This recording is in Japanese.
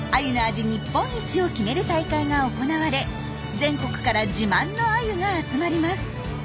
日本一を決める大会が行われ全国から自慢のアユが集まります。